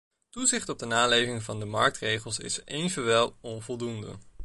Toezicht op de naleving van de marktregels is evenwel onvoldoende.